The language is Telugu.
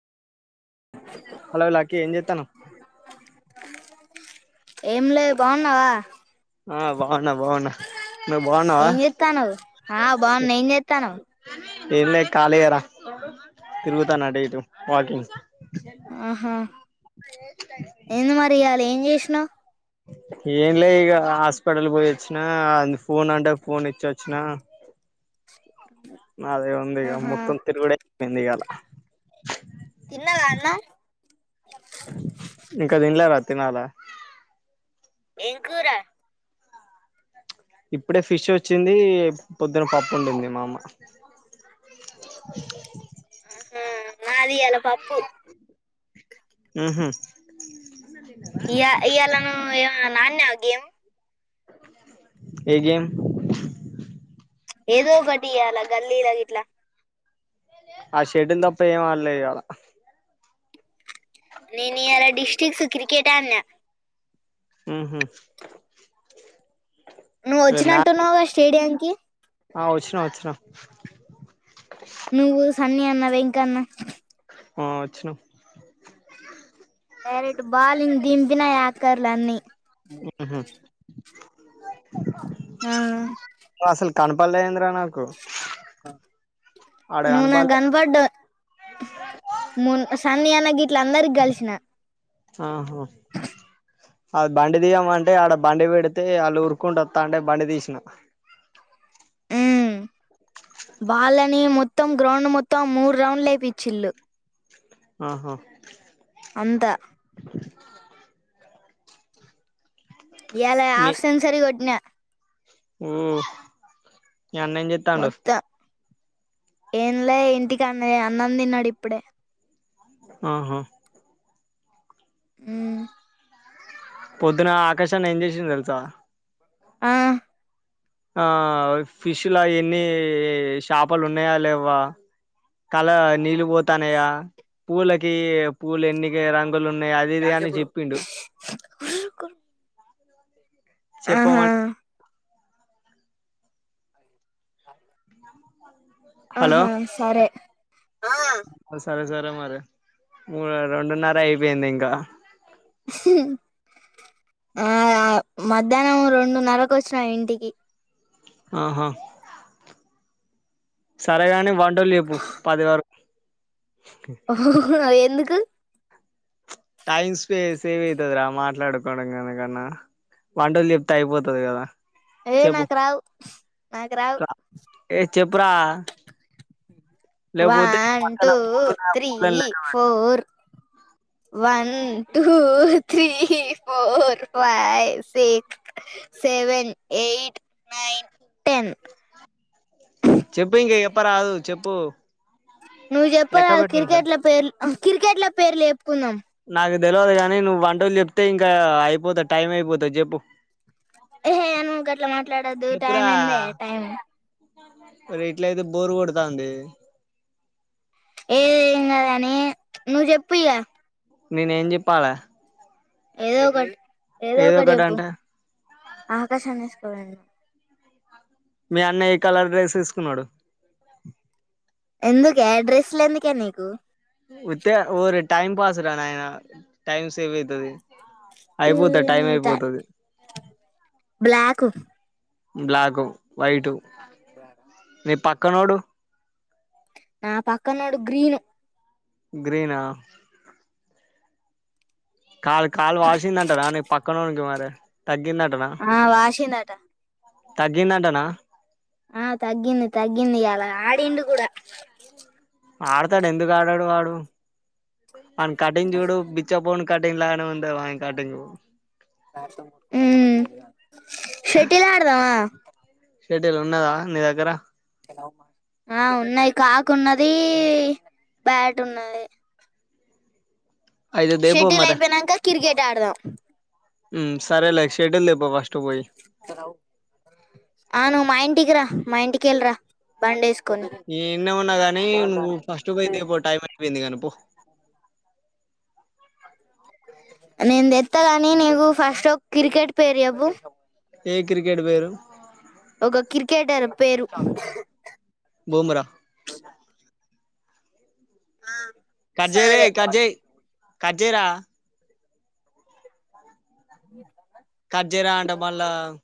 హలో లక్కీ ఏం చెత్తన్నావ్ ఏం లే బాగున్నావా ఆ బాగునా బాగునా ఏం చెత్తన్నావ్ ఆ బాగున్నా ఏం చెత్తన్నావ్ ఏం లే కాలిగర తిరుగుతాన అటు ఇటు వాకింగ్ ఆహా ఏంది మరి ఇయలా ఏం చేస్ న్నా ఏంలే ఇక హాస్పిటల్ పోయొచ్చిన అ ఫోన్ అంటే ఫోన్ ఇచ్చొచ్చిన అది ఉంది ఇగ ఆహా మొత్తం తిరుగుడే అయిపోయింది ఇవాళ తిన్నరన్నా తినాల ఏం కూరా ఇప్పుడే ఫిష్ వచ్చింది పొద్దున పప్పు వండింది మా అమ్మ ఆ మాది ఇయ్యాల పప్పు అహ ఇ ఇయ్యాల నువ్ అడినావా గేమ్ ఏ గేమ్ ఏదోకటియలా గల్లీలాగిట్లా ఆ సెటిల్ తప్ప ఏం ఆడలేదు ఇవాలా నేను ఇయల డిస్ట్రిక్ట్ క్రికెట ఆడినా ఆహ నువ్ వచ్చినటునువగా స్టేడియం ఆ వచ్చిన వచ్చిన హన్నీ అన్న వెంకన్న ఆ వచ్చిన డైరెక్ట్ బాలంగ్ దింపిన పకారులన్నీ ఆహా ఆ, అసలు కనపల్ అయిందిరా నాకు ఆడ నుూన కనపడలే గనపడ్డావు ము సన్ని అనగి ఇట్లందరిక కలిసిన ఆహా అది బండి తీయమంటే ఆడ బండి పెడితే వాళ్ళు ఉరుకుంట వస్తా అంటే బండి తీసిన వాలని మొత్తం గ్రౌండ్ మొత్తం మూరు రౌండ్లుయిచ్చిళ్ళలు ఆహా అంత ఈయల ఆఫ్ సెన్సరిీ కొట్న ఉ అన్న ఏం చేత్తాండు మొత్తం ఏంలే ఇంటికి అన్న అన్నందిన్నాడు ఇప్పుడే ఆహా అ పొద్దున ఆకాష్ అన్న ఏం చేసిండు తెలుసా ఆ ఆ ఫిష్ ఎన్ని షాపాలు ఉన్నాయా లేవా కళ నీళ్ళు పోత ంటనయ పూలేకి పూలే ఎన్నిక రంగ లు ఉన్నాయి అదిదిే అని చెప్పిండు అ ఆహా చెప్పమంట అ హలో ఆహా సరే సరే సరే మరి మూడు రెండున్నర అయిపోయింది ఇంకా హ మధ్యాహ్నం రెండున్నరకు వచ్చినాయి ఇంటికి ఆహా సరేగాని వంటలు లేప్పు పది వరకు ఎందు కు టైమ్ స్పే సేవ్ అయితుది రా మాట్లాడుకోవడం కనకన్నా వంటలు చెప్తే అయిపోతుది కదా ఏ చెప్పు నాకు రావు నాకు రావు చెపరా వన్ టూ పూలున్నాయి ఆ త్రీ పూలని లెక్క పెట్టు four one two three four five six seven eight nine ten చెప్పు ఇంకా ఎప్ప రాదు చెప్పు నువ్వు చెప్పాల లెక్క పెట్టు ఇంకా క్రికెట్ల పేర్ క్రికెట్ల పేర్లు చేప్పుకుందాం నాకు తెలియదు కానీ నువ్వు వంటలు చెప్తే ఇంకా అయిపోతా టైం అయిపోతాది చెప్పు ఏహే అను గ అట్లా మాట్లాడొద్దు టైం ఏందే టైం ఒరే ఎట్లయితే బోరు కొడతాంది ఏ ఇంగదని ను చెప్పూ ఇగ నేనేం చెప్పాలా ఏదో ఒకటి ఏదో ఒక ఒకటి చెప్పు ఆకాశాన్ని [inaudible] మీ అన్న ఏ కలర్ డ్రెస్ తీసుకున్నాడు ఎందుకే డ్రెస్సులు ఎందుకే నీకు ఉత్తే ఓరి టైం పాస్ రా నాయన టైం సేవ్ అవుతుంది నతా బ్లాక్ [unintelligible] బ్లాకు వైటు బార [inaudible] మీ పక్కనోడు నా పక్కనోడు గ్రీను గ్రీనా కాళ కాళ్ళు వాల్సిందంటారా నీ పక్కనొడికి మరి తగ్గిందంటనా ఆ వాసిందంట తగ్గిందంటనా ఆ తగ్గింది తగ్గింది అలా ఆడిండు కూడా ఆడతాడు ఎందుకు ఆడడు వాడు అ [unintelligible] ఆన్ని కటంగ్ చూడు బిచ్చా పోను కటింగ్ లాను ఉందనే చాటింగు హమ్ శెట్టేల్ ఆడదామ శెట్టేల్ ఉన్నదా నీ దగ్గర ఆ ఉన్నాయి కాకు ఉన్నది బ్యాట్ ఉన్నది అయితే దేపో శెట్టేల్ మరి అయిపోయినాక క్రికెట్ ఆడదాం సరేలే షటిల్ దేపో ఫస్ట్ పోయి అ నువ్వు మా ఇంటికి రా మా ఇంటికెళ్ళి రా బ్యాట్ తీసుకొని ఈన్నే ఉన్నా గాని నువ్వు ఫస్ట్ పోయి దేపో టైం అయిపోయింది గాని పో నేను తెస్తా గాని నీకు ఫస్ట్ ఒక క్రికెట్ పేరు చెప్పు ఏ క్రికెట్ పేరు ఒక క్రికెటర్ పేరు బూమ్రా కట్ చేయ్ సరే రేయ్ కట్ చేయ్ కట్ చేయ్ రా కట్ చేయరా అంటే మళ్ళా